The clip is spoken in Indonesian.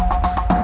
aku kasih tau